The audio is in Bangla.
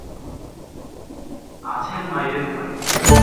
আছেন বাইরের ঘরে।